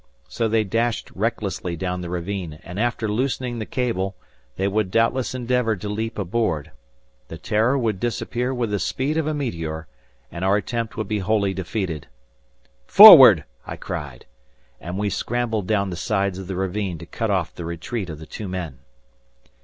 So they dashed recklessly down the ravine, and after loosening the cable, they would doubtless endeavor to leap aboard. The "Terror" would disappear with the speed of a meteor, and our attempt would be wholly defeated! "Forward," I cried. And we scrambled down the sides of the ravine to cut off the retreat of the two men.